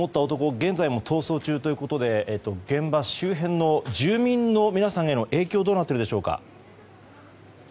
現在も逃走中ということで現場周辺の住民の皆さんへの影響どうなっているでしょうか。